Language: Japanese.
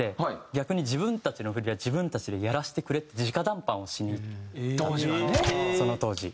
逆に自分たちの振りは自分たちでやらせてくれって直談判をしにその当時。